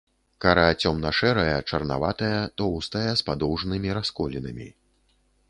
Кара цёмна-шэрая, чарнаватая, тоўстая, з падоўжнымі расколінамі.